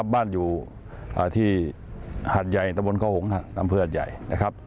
บ้านอยู่ที่หาดใหญ่ตะบนเข้าหงค่ะน้ำเพื่อหาดใหญ่